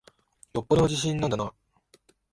よっぽどの自信なんだなぁ。